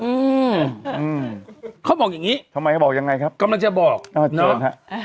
อืมเขาบอกอย่างงี้ทำไมเขาบอกยังไงครับกำลังจะบอกอ่าเชิญฮะอ่า